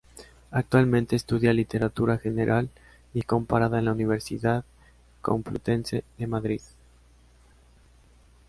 Actualmente estudia Literatura General y Comparada en la Universidad Complutense de Madrid.